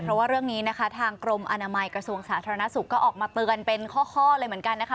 เพราะว่าเรื่องนี้นะคะทางกรมอนามัยกระทรวงสาธารณสุขก็ออกมาเตือนเป็นข้อเลยเหมือนกันนะคะ